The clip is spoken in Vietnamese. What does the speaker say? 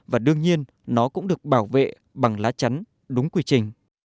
và đương nhiên nó cũng được bảo vệ bằng lá chắn đúng quy trình